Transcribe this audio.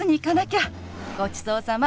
ごちそうさま。